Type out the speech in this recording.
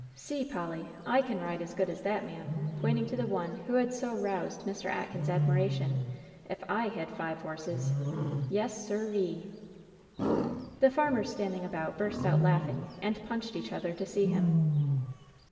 "See, Polly, I can ride as good as that man," pointing to the one who had so roused Mr. Atkins' admiration, "if I had five horses. Yes, sir ree!" The farmers standing about burst out laughing, and punched each other to see him.